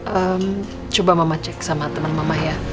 ehm coba mama cek sama temen mama ya